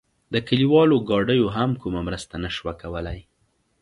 د کلیوالو ګاډیو هم کومه مرسته نه شوه کولای.